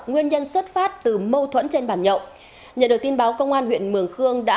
nguyên nhân xuất phát từ mâu thuẫn trên bàn nhậu nhận được tin báo công an huyện mường khương đã